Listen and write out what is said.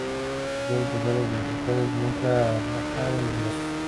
De todas maneras, los locales nunca bajaron los brazos.